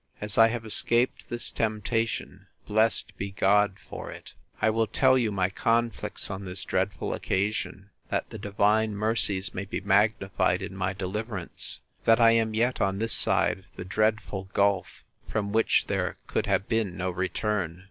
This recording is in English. As I have escaped this temptation, (blessed be God for it!) I will tell you my conflicts on this dreadful occasion, that the divine mercies may be magnified in my deliverance, that I am yet on this side the dreadful gulf, from which there could have been no return.